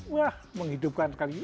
wah menghidupkan sekali